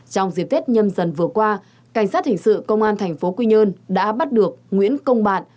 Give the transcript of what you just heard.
trong dịp tết nhâm dần vừa qua cảnh sát hình sự công an thành phố quy nhơn đã bắt được nguyễn công bạt